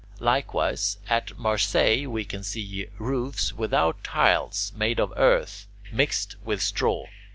Likewise at Marseilles we can see roofs without tiles, made of earth mixed with straw.